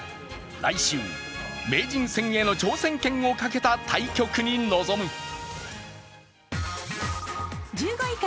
来週、名人戦への挑戦権をかけた対局に臨む。